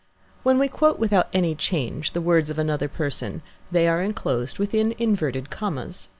When we quote without any change the words of another person, they are enclosed within inverted commas.